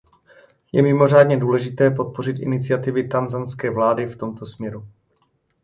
Je mimořádně důležité podpořit iniciativy tanzanské vlády v tomto směru.